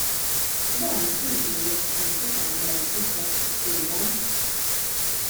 Dan tridu jekk tkun se tagħmel infrastruttura.